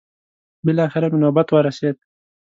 بلاخره مې نوبت ورسېد.